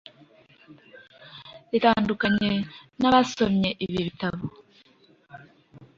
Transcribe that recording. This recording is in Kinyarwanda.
Itandukanye nabasomye ibi Bitabo!